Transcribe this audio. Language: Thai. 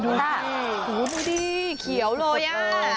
ดูดิดูดิเขียวโลยะ